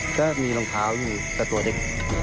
ก็มีรองเท้าอยู่แต่ตัวเด็ก